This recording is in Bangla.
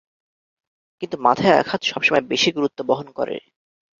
কিন্তু মাথায় আঘাত সব সময় বেশি গুরুত্ব বহন করে।